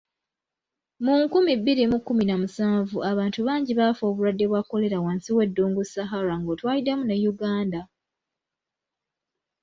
Mu nkumi bbiri mu kkumi na musanvu abantu bangi baafa obulwadde bwa kolera wansi w'eddungu Sahara ng'otwaliddemu ne Uganda.